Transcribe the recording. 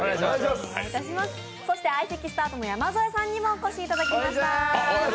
そして相席スタートの山添さんにもお越しいただきました。